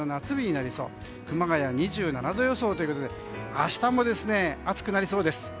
熊谷、２７度予想ということで明日も暑くなりそうです。